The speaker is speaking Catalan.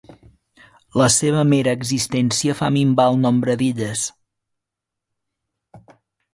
La seva mera existència fa minvar el nombre d'illes.